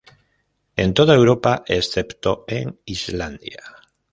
En toda Europa, excepto en Islandia.